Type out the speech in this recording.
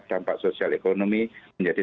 dampak sosial ekonomi menjadi